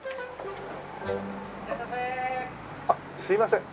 あっすいません。